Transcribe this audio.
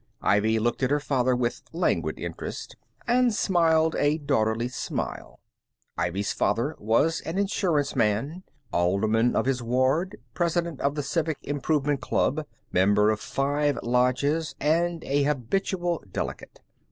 Ivy looked at her father with languid interest, and smiled a daughterly smile. Ivy's father was an insurance man, alderman of his ward, president of the Civic Improvement club, member of five lodges, and an habitual delegate.